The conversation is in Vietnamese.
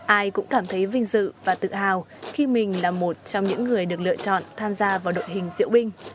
ai cũng cảm thấy vinh dự và tự hào khi mình là một trong những người được lựa chọn tham gia vào đội hình diễu binh